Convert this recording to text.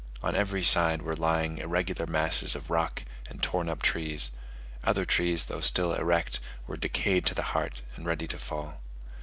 On every side were lying irregular masses of rock and torn up trees; other trees, though still erect, were decayed to the heart and ready to fall.